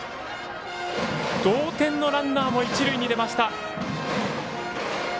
同点のランナーも一塁に出ました。